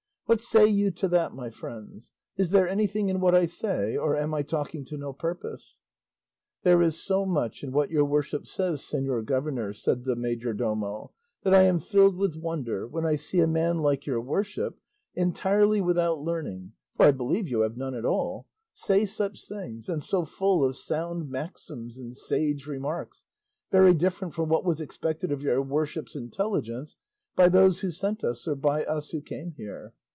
What say you to that, my friends? Is there anything in what I say, or am I talking to no purpose?" "There is so much in what your worship says, señor governor," said the majordomo, "that I am filled with wonder when I see a man like your worship, entirely without learning (for I believe you have none at all), say such things, and so full of sound maxims and sage remarks, very different from what was expected of your worship's intelligence by those who sent us or by us who came here.